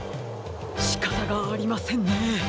しかたがありませんね。